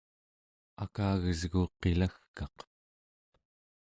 akagesgu qilagkaq